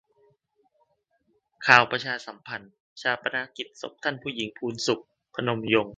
ข่าวประชาสัมพันธ์ : ฌาปนกิจศพท่านผู้หญิงพูนศุข พนมยงค์